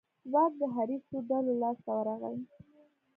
واک د حریصو ډلو لاس ته ورغی.